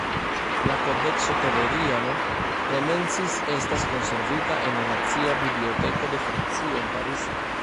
La Kodekso Telleriano-Remensis estas konservita en la Nacia Biblioteko de Francio en Parizo.